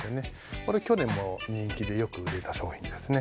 これ去年も人気でよく売れた商品ですね